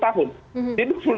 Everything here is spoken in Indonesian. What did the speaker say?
ancaman pidana ini satu tahun